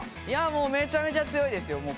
いやもうめちゃめちゃ強いですよ！